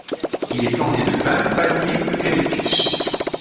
Il est planté de pins, palmiers, eucalyptus.